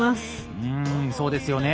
うんそうですよね。